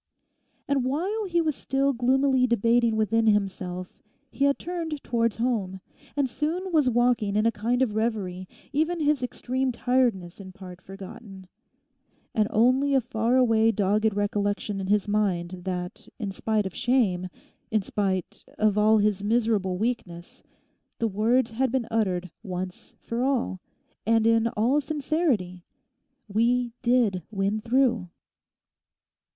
And while he was still gloomily debating within himself he had turned towards home, and soon was walking in a kind of reverie, even his extreme tiredness in part forgotten, and only a far away dogged recollection in his mind that in spite of shame, in spite of all his miserable weakness, the words had been uttered once for all, and in all sincerity, 'We did win through.